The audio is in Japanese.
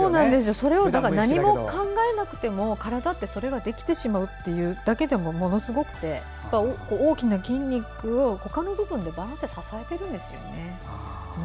それを何も考えなくても体ってそれができてしまうだけでもものすごくて、大きな筋肉をほかの部分のバランスで支えているんですよね。